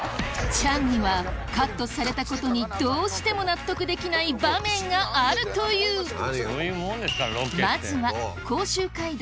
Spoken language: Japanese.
チャンにはカットされたことにどうしても納得できない場面があるというまずは甲州街道